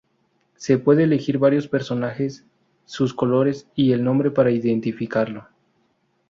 Se pueden elegir varios personajes, sus colores y el nombre para identificarlo.